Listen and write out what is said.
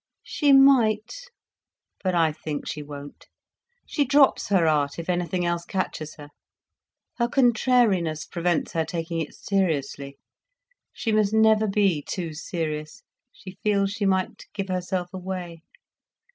"She might. But I think she won't. She drops her art if anything else catches her. Her contrariness prevents her taking it seriously—she must never be too serious, she feels she might give herself away.